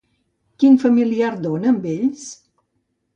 Quin familiar dona amb ells?